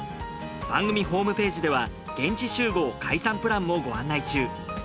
番組ホームページでは現地集合・解散プランもご案内中。